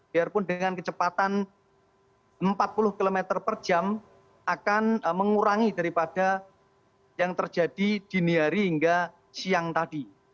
biarpun dengan kecepatan empat puluh km per jam akan mengurangi daripada yang terjadi dini hari hingga siang tadi